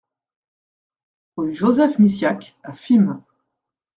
Rue Joseph Misiack à Fismes